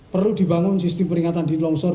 perlu dibangun sistem peringatan di longsor